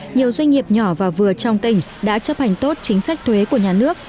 nhiều doanh nghiệp nhỏ và vừa trong tỉnh đã chấp hành tốt chính sách thuế của nhà nước